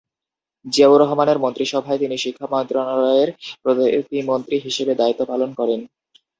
জিয়াউর রহমানের মন্ত্রিসভায় তিনি শিক্ষা মন্ত্রণালয়ের প্রতিমন্ত্রী হিসেবে দায়িত্ব পালন করেন।।